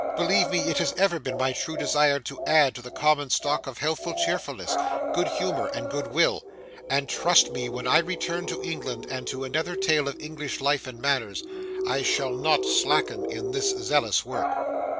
Believe me it has ever been my true desire to add to the common stock of healthful cheerfulness, good humour, and good will, and trust me when I return to England and to another tale of English life and manners, I shall not slacken in this zealous work.